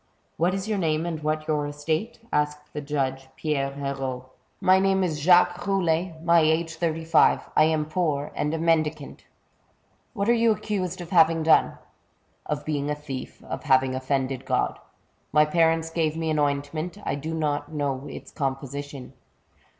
" What is your name, and what your estate ?" asked the judge, Pierre H6rault. My name is Jacques Roulet, my age thirty five ; I am poor, and a mendicant." '' What are you accused of having done ?" *'.0f being a thief — of having offended God. My parents gave me an ointment ; I do not know its com position."